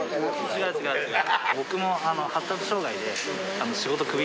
違う違う違う。